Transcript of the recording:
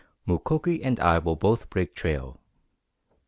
Mukoki and I will both break trail."